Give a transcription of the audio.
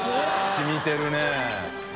しみてるね。